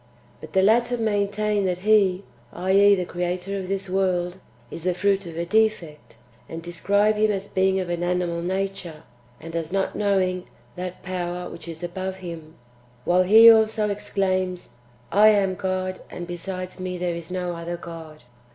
But the latter maintain that He, \i.e. the Creator of this world,] is the fruit of a defect, and describe Him as being of an animal nature, and as not knowing that Power which is above Him, while He also exclaims, " I am God, and besides me there is no other God."